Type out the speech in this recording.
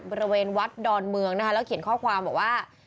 บริเวณวัดดอนเมืองนะคะแล้วเขียนข้อความบอกว่า